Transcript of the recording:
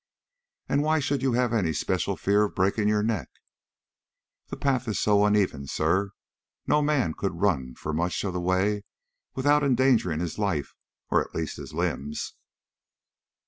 "And why should you have any special fears of breaking your neck?" "The path is so uneven, sir. No man could run for much of the way without endangering his life or at least his limbs."